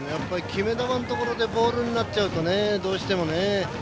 決め球のところでボールになっちゃうとどうしてもね。